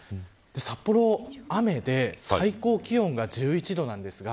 札幌は雨で最高気温が１１度なんですが